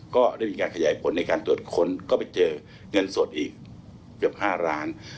ก็ได้มีการขยายผลความรู้งานก็ไปเจอเงินสดอีกกับ๕ล้านบาท